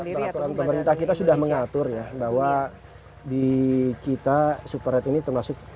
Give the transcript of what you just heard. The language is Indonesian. peraturan pemerintah kita sudah mengatur ya bahwa di kita super red ini termasuk